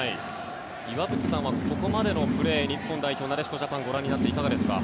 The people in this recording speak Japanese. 岩渕さんはここまでのプレー日本代表、なでしこジャパンご覧になっていかがですか？